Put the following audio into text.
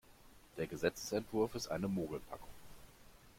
Der Gesetzesentwurf ist eine Mogelpackung.